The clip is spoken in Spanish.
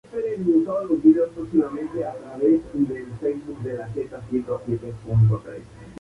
Los cortes cuadrados de las columnas estás revestidas de mármol verde.